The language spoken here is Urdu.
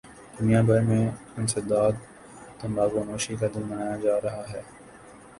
دنیا بھر میں انسداد تمباکو نوشی کا دن منایا جارہاہے